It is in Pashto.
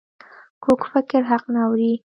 کوږ فکر حق نه اوري